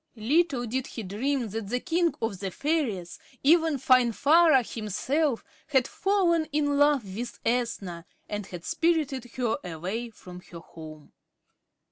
Little did he dream that the king of the fairies, even Finvarra himself, had fallen in love with Ethna, and had spirited her away from her home.